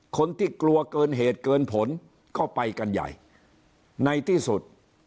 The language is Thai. คนที่กลัวเกินเหตุเกินผลก็ไปกันใหญ่ในที่สุด